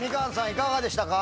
いかがでしたか？